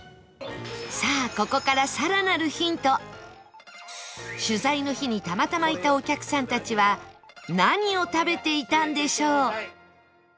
さあここから取材の日にたまたまいたお客さんたちは何を食べていたんでしょう？